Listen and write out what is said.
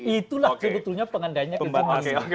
itulah sebetulnya pengandainya ke dimaksud